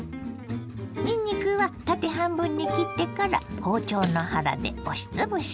にんにくは縦半分に切ってから包丁の腹で押しつぶします。